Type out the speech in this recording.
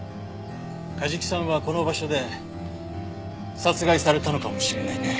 梶木さんはこの場所で殺害されたのかもしれないね。